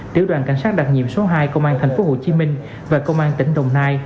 tiểu đoàn cảnh sát đặc nhiệm số hai công an tp hcm và công an tỉnh đồng nai